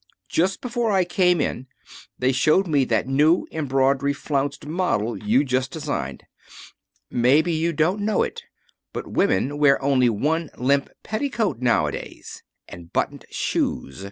Just before I came in they showed me that new embroidery flounced model you just designed. Maybe you don't know it, but women wear only one limp petticoat nowadays. And buttoned shoes.